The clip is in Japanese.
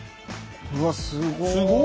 うわすごい。